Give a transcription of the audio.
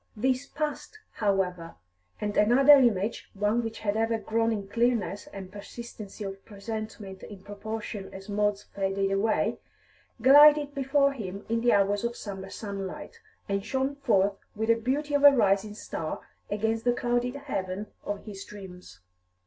This passed, however, and another image, one which had ever grown in clearness and persistency of presentment in proportion as Maud's faded away, glided before him in the hours of summer sunlight, and shone forth with the beauty of a rising star against the clouded heaven of his dreams.